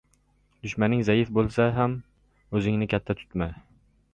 • Dushmaning zaif bo‘lsa ham o‘zingni katta tutma.